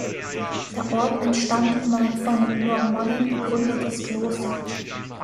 Der Ort entstand um ein von den Normannen gegründetes Kloster.